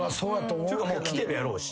っていうかもうきてるやろうし。